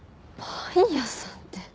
パン屋さんって。